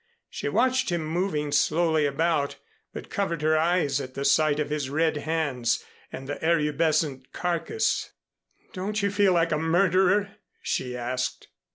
She watched him moving slowly about, but covered her eyes at the sight of his red hands and the erubescent carcass. "Don't you feel like a murderer?" she asked.